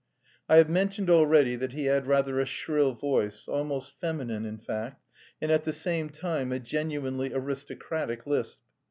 I have mentioned already that he had rather a shrill voice, almost feminine in fact, and at the same time a genuinely aristocratic lisp.